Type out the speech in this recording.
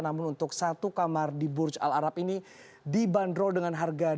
namun untuk satu kamar di burj al arab ini dibanderol dengan harga dua puluh juta rupiah